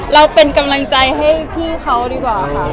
เราเป็นกำลังใจให้พี่เขาดีกว่าค่ะ